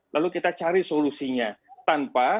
lalu kita cari solusinya tanpa